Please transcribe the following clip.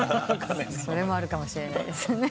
それもあるかもしれないですね。